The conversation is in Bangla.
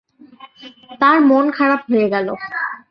তাঁর মন খারাপ হয়ে গেল।